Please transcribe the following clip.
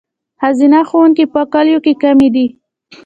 ښځینه ښوونکي په کلیو کې کمې دي.